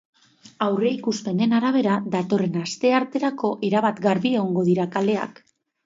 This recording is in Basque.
Aurreikuspenen arabera, datorren astearterako erabat garbi egongo dira kaleak.